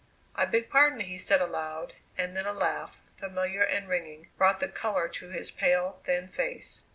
"I beg pardon," he said aloud, and then a laugh, familiar and ringing, brought the colour to his pale, thin face.